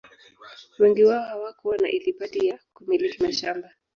Wengi wao hawakuwa na ithibati ya kumiliki mashamba